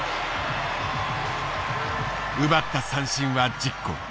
奪った三振は１０個。